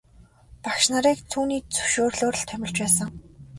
Багш нарыг түүний зөвшөөрлөөр л томилж байсан.